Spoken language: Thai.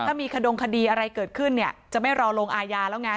ถ้ามีขดงคดีอะไรเกิดขึ้นเนี่ยจะไม่รอลงอาญาแล้วไง